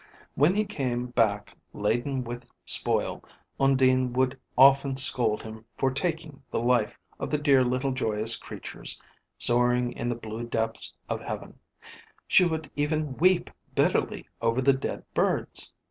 When he came back laden with spoil, Undine would often scold him for taking the life of the dear little joyous creatures, soaring in the blue depths of Heaven; she would even weep bitterly over the dead birds.